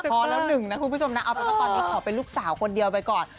พอแล้วหนึ่งนะคุณผู้ชมนะเอาเป็นว่าตอนนี้ขอเป็นลูกสาวคนเดียวไปก่อน